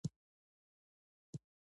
تاریخ د افغانستان د بشري فرهنګ برخه ده.